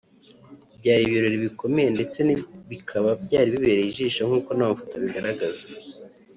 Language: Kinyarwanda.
byari ibirori bikomeye ndetse bikaba byari bibereye ijisho nkuko n’amafoto abigaragaza